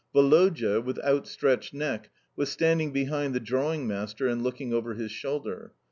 Woloda, with out stretched neck, was standing behind the drawing master and looking over his shoulder.